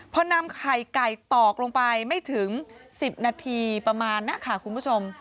พอนำไข่ไก่ตอกลงไปไม่ถึง๑๐นาทีประมาณนะคะคุณผู้ชม